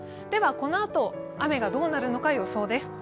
このあと、雨がどうなるのか予想です。